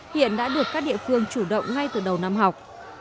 hiện đã được các địa phương chủ động ngay từ đầu năm học